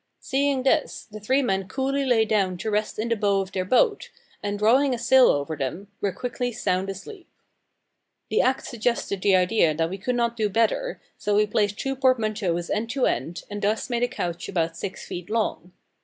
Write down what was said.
Seeing this, the three men coolly lay down to rest in the bow of their boat, and, drawing a sail over them, were quickly sound asleep. The act suggested the idea that we could not do better, so we placed two portmanteaus end to end, and thus made a couch about six feet long.